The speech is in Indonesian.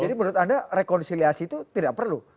jadi menurut anda rekonciliasi itu tidak perlu